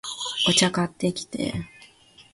お茶、買ってきて